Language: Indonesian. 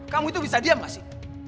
kamu itu bisa diam gak sih